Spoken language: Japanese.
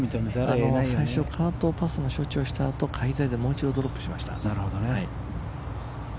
最初カートパスの処置をしたあともう一度ドロップしました。